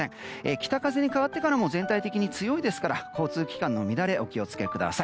北風に変わってからも全体的に強いですから交通機関の乱れにお気をつけください。